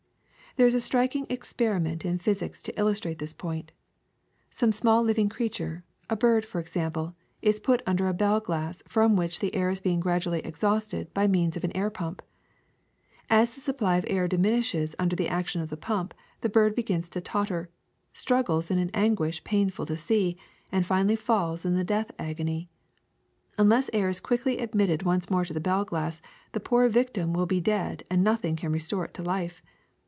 ^^ There is a striking experiment in physics to illus trate this point. Some small living creature — a bird, for example — is put under a bell glass from which the air is being gradually exhausted by means of an air pump. As the supply of air diminishes under the action of the pump, the bird begins to totter, struggles in an anguish painful to see, and finally falls in the death agony. Unless air is quickly ad mitted once more to the bell glass, the poor victim will be dead and nothing can restore it to life.